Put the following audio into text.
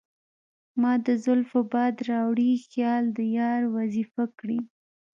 مــــــا د زلفو باد راوړی خیــــــال د یار وظیفه کـــــړی